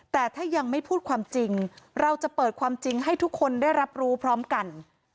แต่ถ้ายังไม่พูดความจริงเราจะเปิดความจริงให้ทุกคนได้รับรู้พร้อมกัน